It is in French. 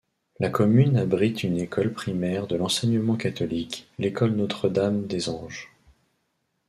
La commune abrite une école primaire de l'enseignement catholique, l'école Notre-Dame des Anges.